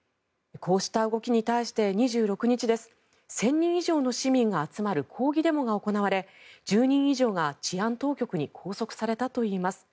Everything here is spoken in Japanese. こうした動きに対して２６日１０００人以上の市民が集まる抗議デモが行われ１０人以上が治安当局に拘束されたといいます。